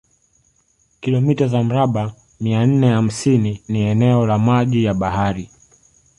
kilomita za mraba mia nne hamsini ni eneo la maji ya bahari